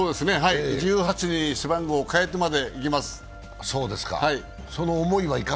１８に背番号を変えてまでいきます。